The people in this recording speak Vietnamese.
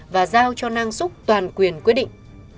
và giao cho nang xúc toàn quyền quyết định